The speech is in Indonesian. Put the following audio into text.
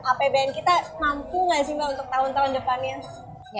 apbn kita mampu nggak sih mbak untuk tahun tahun depannya